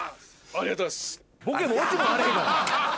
ありがとうございます。